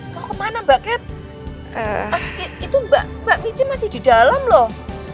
eh mau kemana mbak cat itu mbak michi masih di dalam loh